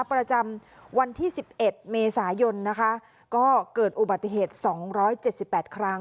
ประจำวันที่สิบเอ็ดเมษายนนะคะก็เกิดอุบัติเหตุสองร้อยเจ็บสิบแปดครั้ง